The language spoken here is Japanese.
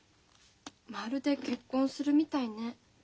まるで結婚するみたいね。